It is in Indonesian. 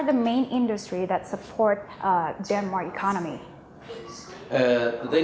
sebenarnya indonesia adalah negara yang terbaik